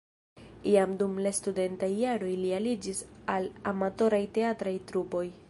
Jam dum la studentaj jaroj li aliĝis al amatoraj teatraj trupoj.